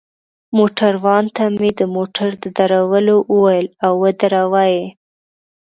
موټروان ته مې د موټر د درولو وویل، او ودروه يې.